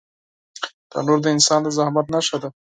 تنور د انسان د زحمت نښه ده